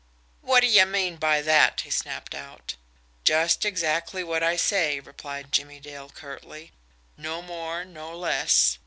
"What d'ye mean by that?" he snapped out "Just exactly what I say," replied Jimmie Dale curtly. "No more, no less.